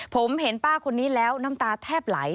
ผมเห็นป้าคนนี้แล้วน้ำตาแทบไหล